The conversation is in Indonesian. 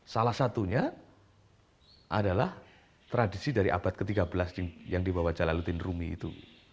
salah satunya adalah tradisi dari abad ke tiga belas yang dibawa jalaluddin rumi itu